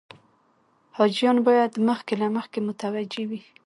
حاجیان باید مخکې له مخکې متوجه وي.